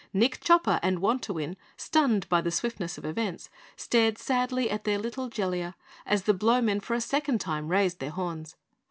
Nick Chopper and Wantowin, stunned by the swiftness of events, stared sadly at their little Jellia as the Blowmen for a second time raised their horns.